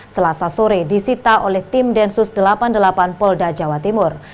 selasa sore disita oleh tim densus delapan puluh delapan polda jawa timur